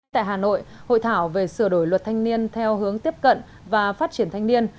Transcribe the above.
tại hà nội hội thảo về sửa đổi luật thanh niên theo hướng tiếp cận và phát triển thanh niên